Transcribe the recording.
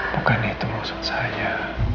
bukan itu maksud saya